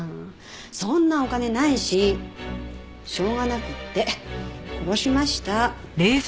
そんなお金ないししょうがなくって殺しました。